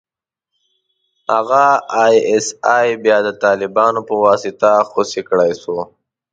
هغه ای اس ای بيا د طالبانو په واسطه خصي کړای شو.